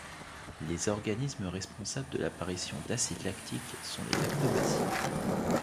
Les organismes responsables de l'apparition d'acide lactique sont les lactobacilles.